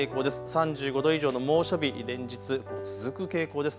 ３５度以上の猛暑日、連日続く傾向です。